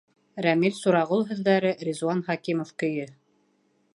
Рәмил Сурағол һүҙҙәре, Ризуан Хәкимов көйө.